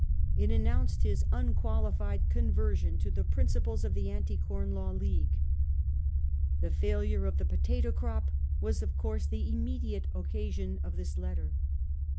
It announced his unqualified conversion to the principles of the Anti Corn Law League. The failure of the potato crop was of course the immediate occasion of this letter.